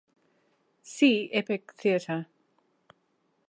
See epic theater.